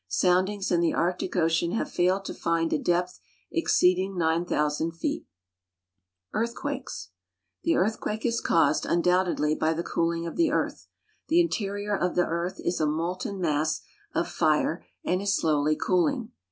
Soundings in the Arctic Ocean have failed to find a depth exceeding 9,000 feet. =Earthquakes.= The earthquake is caused, undoubtedly, by the cooling of the earth. The interior of the earth is a molten mass of fire and is slowly cooling.